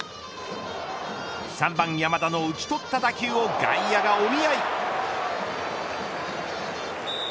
３番山田の打ち取った打球を外野がお見合い。